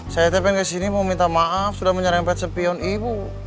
saya tepin kesini mau minta maaf sudah menyerempet sepion ibu